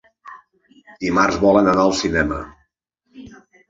Dimarts volen anar al cinema.